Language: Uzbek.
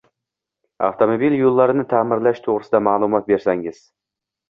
Avtomobil yo‘llarini ta’mirlash to‘g‘risida ma’lumot bersangiz?